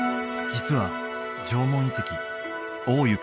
実は縄文遺跡大湯